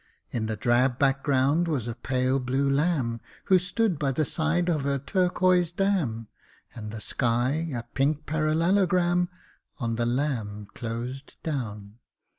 In the drab background was a pale blue lamb Who stood by the side of her turquoise dam, And the sky a pink parallelogram On the lamb closed down.